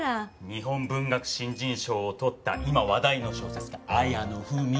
日本文学新人賞をとった今話題の小説家綾野文。